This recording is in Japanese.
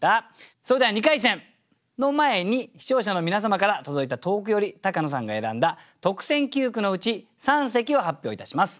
それでは２回戦の前に視聴者の皆様から届いた投句より高野さんが選んだ特選九句のうち三席を発表いたします。